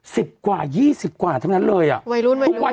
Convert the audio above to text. สิบกว่ายี่สิบกว่านั้นเลยอ่ะวัยรุ่นวัยรุ่น